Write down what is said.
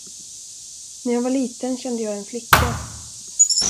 När jag var liten kände jag en flicka.